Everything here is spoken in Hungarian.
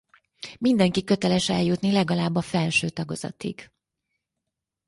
Mindenki köteles eljutni legalább a felső tagozatig.